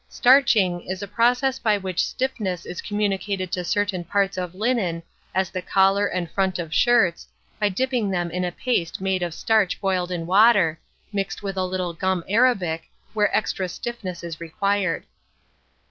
Starching is a process by which stiffness is communicated to certain parts of linen, as the collar and front of shirts, by dipping them in a paste made of starch boiled in water, mixed with a little gum Arabic, where extra stiffness is required.